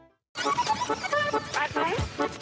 แปปปัดไหม